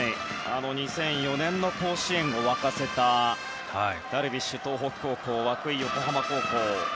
２００４年の甲子園を沸かせたダルビッシュ、東北高校涌井は横浜高校。